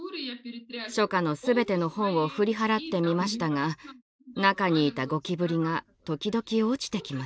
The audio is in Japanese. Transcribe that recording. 書架のすべての本を振り払ってみましたが中にいたゴキブリが時々落ちてきました。